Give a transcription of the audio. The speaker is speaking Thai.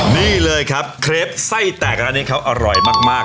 นี่เลยครับเครปไส้แตกร้านนี้เขาอร่อยมาก